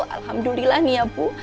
alhamdulillah nih ya bu